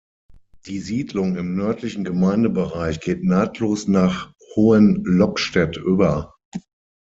Die Siedlung im nördlichen Gemeindebereich geht nahtlos nach Hohenlockstedt über.